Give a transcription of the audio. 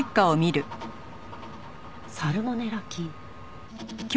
「サルモネラ菌」。